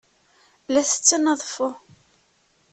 La ttetten aḍeffu.